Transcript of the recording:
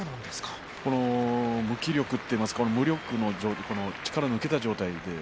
無気力といいますか力が抜けた状態ですね